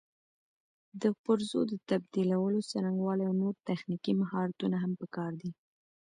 د پرزو د تبدیلولو څرنګوالي او نور تخنیکي مهارتونه هم پکار دي.